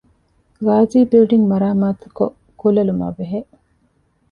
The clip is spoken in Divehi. ޣާޒީ ބިލްޑިންގ މަރާމާތުކޮށް ކުލަލުމާބެހޭ